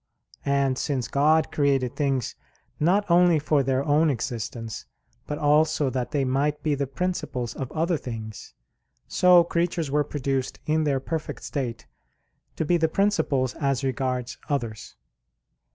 And since God created things not only for their own existence, but also that they might be the principles of other things; so creatures were produced in their perfect state to be the principles as regards others.